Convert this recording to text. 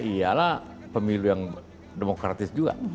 dan bagusnya ialah pemilu yang demokratis juga